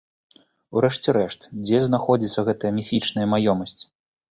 У рэшце рэшт, дзе знаходзіцца гэтая міфічная маёмасць?